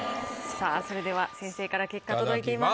さあそれでは先生から結果届いています。